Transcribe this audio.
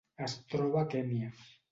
Es troba a Kenya.